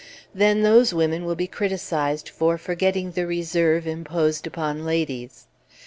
Then those women will be criticized for forgetting the reserve imposed upon ladies.